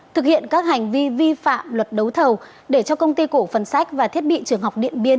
thực hiện các hành vi vi phạm luật đấu thầu để cho công ty cổ phần sách và thiết bị trường học điện biên